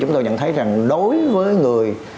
chúng tôi nhận thấy rằng đối với người